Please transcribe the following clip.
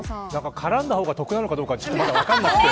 からんだ方が得なのかどうかまだ分からなくて。